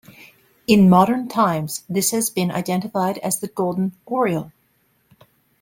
In modern times this has been identified as the golden oriole.